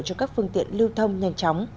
cho các phương tiện lưu thông nhanh chóng